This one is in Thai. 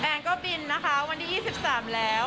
แอนก็บินนะคะวันที่๒๓แล้ว